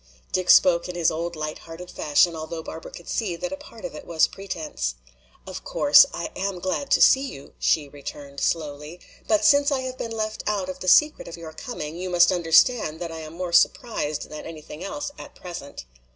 Dick spoke in his old light hearted fashion, although Barbara could see that a part of it was pretense. "Of course, I am glad to see you," she returned slowly. "But since I have been left out of the secret of your coming, you must understand that I am more surprised than anything else at present."